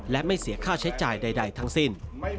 และไม่เสียค่าใช้จ่ายใดทั้งสิ้น